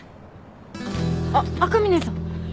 あっ赤嶺さん。